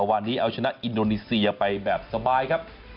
วันนี้เอาชนะอินโดนีเซียไปแบบสบายครับ